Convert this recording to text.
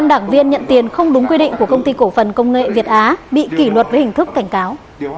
năm đảng viên nhận tiền không đúng quy định của công ty cổ phần công nghệ việt á bị kỷ luật với hình thức cảnh cáo